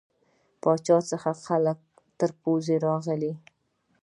پاچا څخه خلک تر پوزې راغلي.